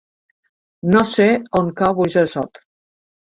No sé on cau Burjassot.